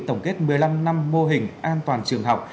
tổng kết một mươi năm năm mô hình an toàn trường học